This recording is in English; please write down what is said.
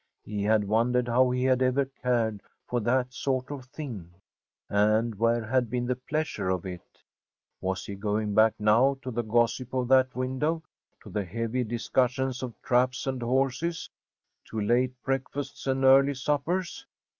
He had wondered how he had ever cared for that sort of thing, and where had been the pleasure of it. Was he going back now to the gossip of that window, to the heavy discussions of traps and horses, to late breakfasts and early suppers?